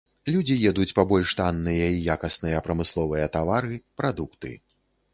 Людзі едуць па больш танныя і якасныя прамысловыя тавары, прадукты.